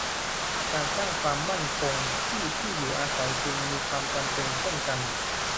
การสร้างความมั่นคงที่ที่อยู่อาศัยจึงมีความจำเป็นเช่นกัน